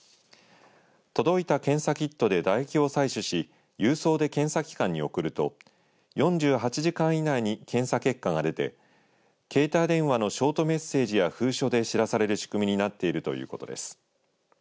届いた検査キットで唾液を採取し郵送で検査機関に送ると４８時間以内に検査結果が出て携帯電話のショートメッセージや封書で知らされる仕組みになっているということです。